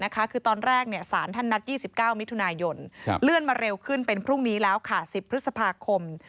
คือตอนแรกสารท่านนัด๒๙มิถุนายนเลื่อนมาเร็วขึ้นเป็นพรุ่งนี้แล้วค่ะ๑๐พฤษภาคม